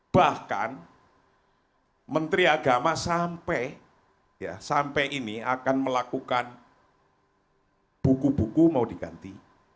bahkan menteri agama sampai ini akan melakukan buku buku mau diganti